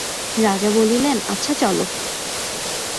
রাজা বলিলেন, আচ্ছা চলো।